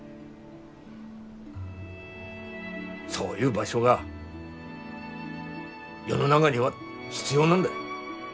そういう場所が世の中には必要なんだ。